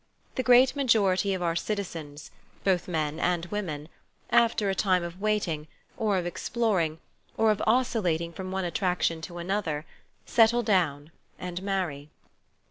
The great majority of our citizens — both men and women — after a time of waiting, or of exploring, or of oscillating from one attraction to another, " settle down " and marry.